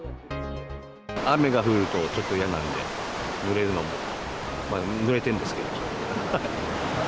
雨が降るとちょっと嫌なんで、ぬれるのも、ぬれてるんですけども。